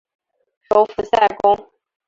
首府塞公。